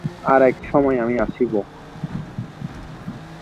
আর-এক সময় আমি আসব।